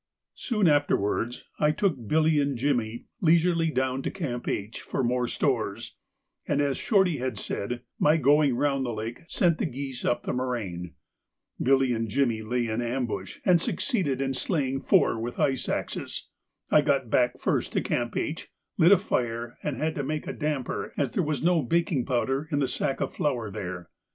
Soon afterwards I took Billy and Jimmy leisurely down to Camp H for more stores, and, as Shorty had said, my going round the lake sent the geese up the moraine. Billy and Jimmy lay in ambush and succeeded in slaying four with ice axes. I got back first to Camp H, lit a fire, and had to make a damper, as there was no baking powder in the sack of flour there.